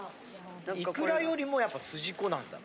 いくらよりもやっぱすじこなんだって。